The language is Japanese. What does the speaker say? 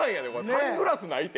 サングラスないって。